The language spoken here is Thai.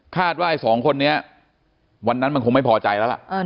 ว่าไอ้สองคนนี้วันนั้นมันคงไม่พอใจแล้วล่ะ